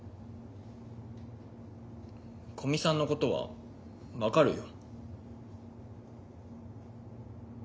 古見さんのことは分かるよ。